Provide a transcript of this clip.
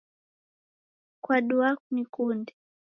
Kwaduaa kunikunde ?